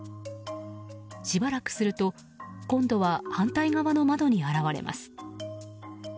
しばらくすると、今度は反対側の窓に現れます。